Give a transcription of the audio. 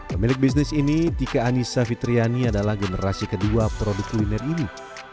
pemilik bisnis ini dika anissa fitriani adalah generasi kedua produk kuliner ini